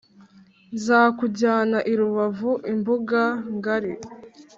nzakujyana i rubavu i mbuga ngari